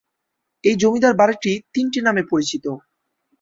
এই জমিদার বাড়িটি তিনটি নামে পরিচিত।